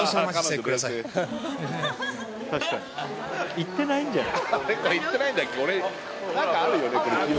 行ってないんじゃない？